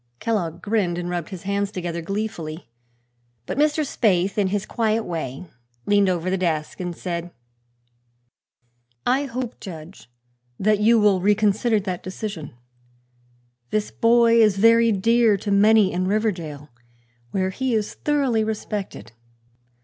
Kellogg grinned and rubbed his hands together gleefully. But Mr. Spaythe, in his quiet way, leaned over the desk and said: "I hope, Judge, you will reconsider that decision. This boy is very dear to many in Riverdale, where he is thoroughly respected.